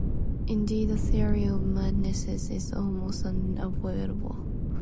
Indeed the theory of madness is almost unavoidable.